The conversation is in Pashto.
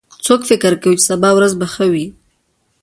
څوک فکر کوي چې سبا به ښه ورځ وي